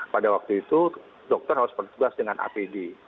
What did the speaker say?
pada waktu itu dokter harus bertugas dengan apd